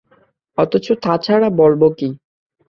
অথচ তা ছাড়া বলব কী?